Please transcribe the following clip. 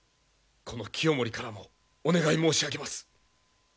この清盛からもお願い申し上げます。